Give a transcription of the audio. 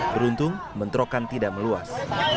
beruntung menterokan tidak meluas